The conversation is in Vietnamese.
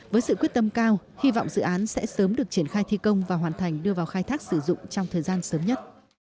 với sự quyết tâm cao hy vọng dự án sẽ sớm được triển khai thi công và hoàn thành đưa vào khai thác sử dụng trong thời gian sớm nhất